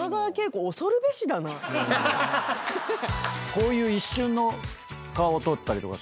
こういう一瞬の顔を撮ったりとかするんですか？